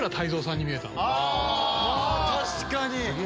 あ確かに！